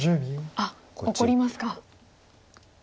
あっ怒りますか。